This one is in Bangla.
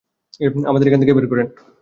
আমাদের এখান থেকে বের করেন।